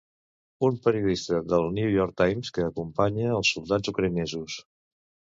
Un periodista del New York Times que acompanya els soldats ucraïnesos